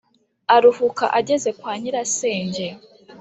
aruhuka ageze kwa nyirasenge,